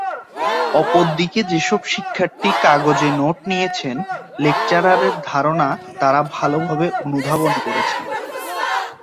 অপর দিকে যেসব শিক্ষার্থী কাগজে নোট নিয়েছেন, লেকচারের ধারণা তাঁরা ভালোভাবে অনুধাবন করেছেন।